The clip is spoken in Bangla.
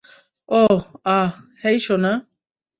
ওহ, আহ, হেই, সোনা।